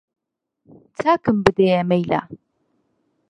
چاکم بدەیە مەیلە